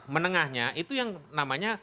menengahnya itu yang namanya